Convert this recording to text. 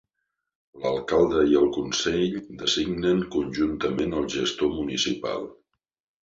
L'alcalde i el consell designen conjuntament el gestor municipal.